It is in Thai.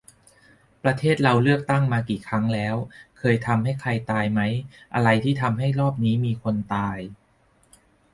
ประเทศเราเลือกตั้งมากี่ครั้งแล้ว เคยทำให้ใครตายไหม ? อะไรที่ทำให้รอบนี้มีคนตาย ?